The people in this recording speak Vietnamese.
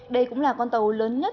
đây cũng là con tàu lớn nhất